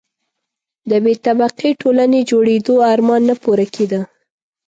د بې طبقې ټولنې جوړېدو آرمان نه پوره کېده.